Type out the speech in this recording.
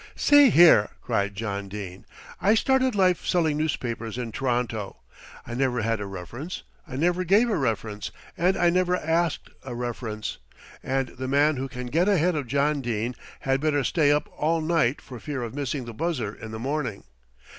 "See here," cried John Dene. "I started life selling newspapers in T'ronto. I never had a reference, I never gave a reference and I never asked a reference, and the man who can get ahead of John Dene had better stay up all night for fear of missing the buzzer in the morning.